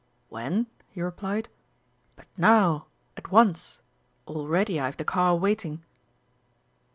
"When?" he replied. "But now! At once. Already I have the car waiting!"